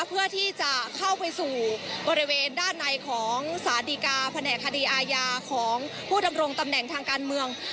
เพื่อที่จะเข้าไปสู่บริเวณด้านในของสารดีกาแผนกคดีอาญาของผู้ดำรงตำแหน่งทางการเมือง